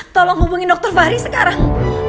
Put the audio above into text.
tolong hubungi dokter fahri sekarang